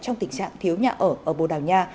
trong tình trạng thiếu nhà ở ở bồ đào nha